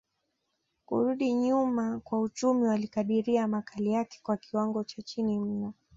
kurudi nyuma kwa uchumi walikadiria makali yake kwa kiwango cha chini mno